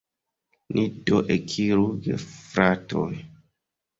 Ni do ekiru, gefratoj!